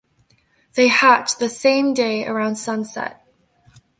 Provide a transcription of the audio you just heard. They hatch the same day around sunset.